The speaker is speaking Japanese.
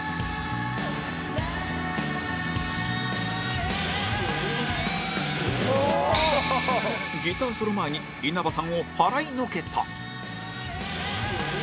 「ＮＡＮＡ．．．」ギターソロ前に稲葉さんを払いのけた